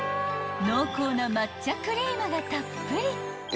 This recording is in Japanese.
［濃厚な抹茶クリームがたっぷり］